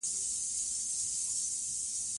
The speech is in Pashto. افغانستان د ښتې په برخه کې نړیوال شهرت لري.